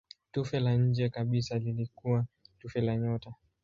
Tufe la nje kabisa lilikuwa tufe la nyota.